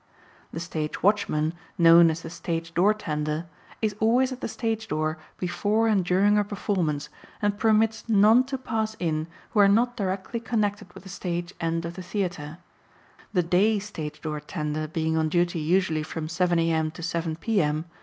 The stage watchman, known as the stage door tender, is always at the stage door before and during a performance and permits none to pass in who are not directly connected with the stage end of the theatre, the day stage door tender being on duty usually from 7 A.M. to 7 P.M.